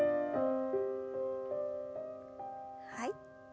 はい。